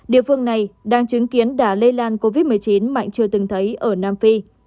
địa phương này đang chứng kiến đả lây lan covid một mươi chín mạnh chưa từng thấy ở nam phi